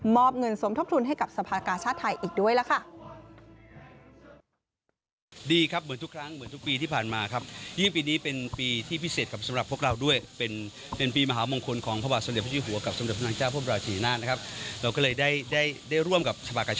อบเงินสมทบทุนให้กับสภากาชาติไทยอีกด้วยล่ะค่ะ